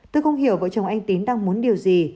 tôi không hiểu vợ chồng anh tín đang muốn điều gì